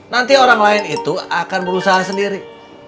nanti orang lain itu akan berusaha sendiri